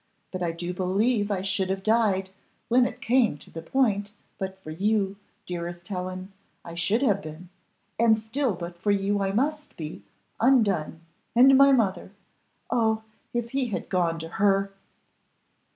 But I do believe I should have died, when it came to the point, but for you dearest Helen, I should have been, and still but for you I must be, undone and my mother oh! if he had gone to her!"